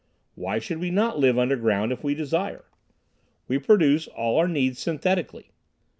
Why should we not live underground if we desire? We produce all our needs synthetically.